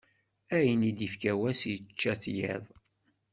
Ayen i d-ifka wass, yečča-t yiḍ.